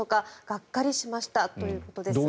がっかりしましたということです。